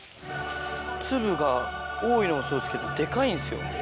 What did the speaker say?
粒が多いのもそうですけど、でかいんっすよ。